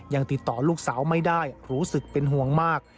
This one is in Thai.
ยังติดต่อลูกสาวไม่ได้รู้สึกเป็นห่วงมาก